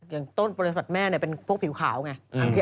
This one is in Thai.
อย่างต้นบริษัทแม่เป็นพวกผิวขาวไง